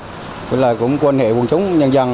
nói chung là cũng quan hệ quân chúng nhân dân